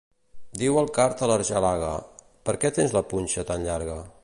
Diu el card a l'argelaga: Per què tens la punxa tan llarga?